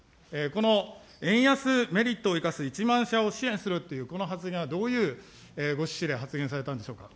この円安メリットを生かす１万社を支援するという、この発言はどういうご趣旨で発言されたんでしょうか。